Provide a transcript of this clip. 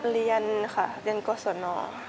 เรียนค่ะเรียนกศน